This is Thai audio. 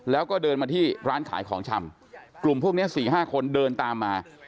แล้วก็เดินมาที่ร้านขายของชำกลุ่มพวกนี้๔๕คนเดินตามมา